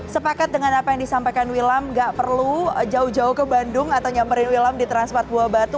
sepakat dengan apa yang disampaikan wilam nggak perlu jauh jauh ke bandung atau nyamperin wilam di transmart buah batu